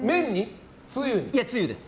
つゆです。